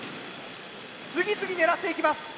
次々狙っていきます。